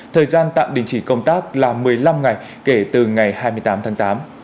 thời gian tạm đình chỉ công tác là một mươi năm ngày kể từ ngày hai mươi tám tháng tám